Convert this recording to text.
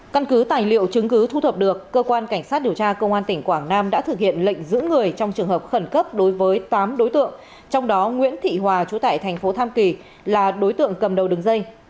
căn cứ tài liệu chứng cứ thu thập được cơ quan cảnh sát điều tra công an tỉnh quảng nam đã thực hiện lệnh giữ người trong trường hợp khẩn cấp đối với tám đối tượng trong đó nguyễn thị hòa trú tại thành phố tam kỳ là đối tượng cầm đầu đường dây